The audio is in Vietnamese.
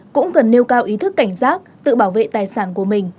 cũng cần nêu cao ý thức cảnh giác tự bảo vệ tài sản của mình